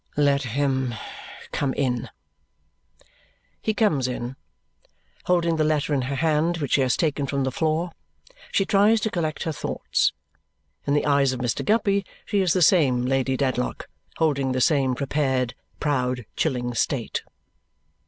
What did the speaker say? "Let him come in!" He comes in. Holding the letter in her hand, which she has taken from the floor, she tries to collect her thoughts. In the eyes of Mr. Guppy she is the same Lady Dedlock, holding the same prepared, proud, chilling state.